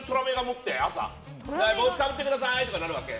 帽子かぶってくださいとかやるわけ。